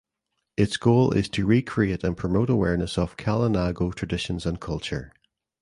Its goal is to recreate and promote awareness of Kalinago traditions and culture.